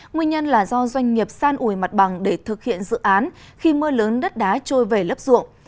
nguyên nhân là do doanh nghiệp san ủi mặt bằng để thực hiện dự án khi mưa lớn đất đá trôi về lấp ruộng